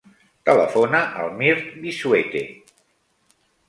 Telefona al Mirt Vizuete.